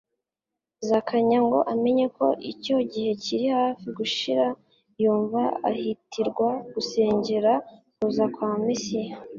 Zakanya ngo amenye ko icyo gihe kiri hafi gushira yumva ahatirwa gusengera kuza kwa Mesiya.